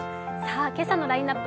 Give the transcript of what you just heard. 今朝のラインナップ